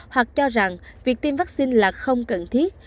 hoặc cho rằng việc tiêm vaccine là không cần thiết